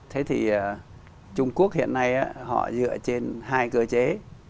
thế thì trung quốc hiện nay họ dựa trên hai cơ chế